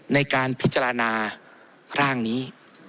ในการพิจารณาร่างนี้